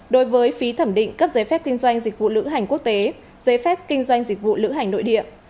đối với phí thẩm định cấp giấy phép kinh doanh dịch vụ lữ hành quốc tế giấy phép kinh doanh dịch vụ lữ hành nội địa